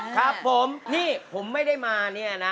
ครับผมนี่ผมไม่ได้มาเนี่ยนะ